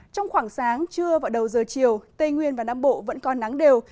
trong khoảng sáng trưa và đầu giờ chiều tây nguyên và nam bộ vẫn có nắng đều